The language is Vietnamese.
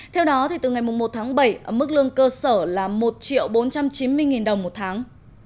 theo đó từ ngày một tháng bảy ở mức lương cơ sở là một bốn trăm chín mươi đồng một tháng